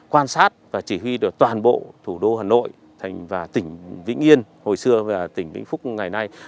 quan sát và chỉ huy được toàn bộ thủ đô hà nội và tỉnh vĩnh yên hồi xưa và tỉnh vĩnh phúc ngày nay